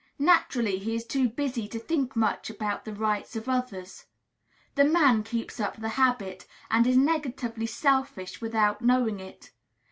Naturally he is too busy to think much about the rights of others. The man keeps up the habit, and is negatively selfish without knowing it.